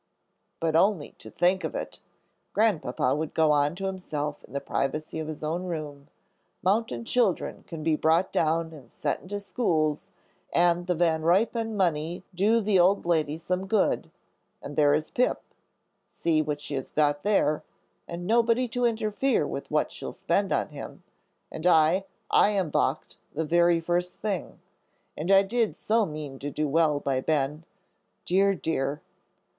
"But only to think of it," Grandpapa would go on to himself in the privacy of his own room, "mountain children can be brought down and set into schools, and the Van Ruypen money do the old lady some good, and there is Pip, see what she has got there, and nobody to interfere with what she'll spend on him. And I I am balked the very first thing. And I did so mean to do well by Ben; dear, dear!"